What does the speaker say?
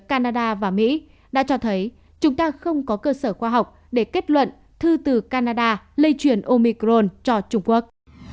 canada và mỹ đã cho thấy chúng ta không có cơ sở khoa học để kết luận thư từ canada lây truyền omicron cho trung quốc